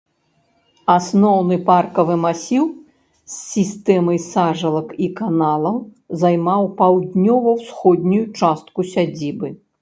Асноўны паркавы масіў з сістэмай сажалак і каналаў займаў паўднёва-ўсходнюю частку сядзібы.